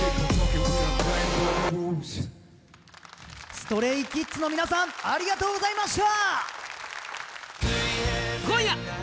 ＳｔｒａｙＫｉｄｓの皆さんありがとうございました。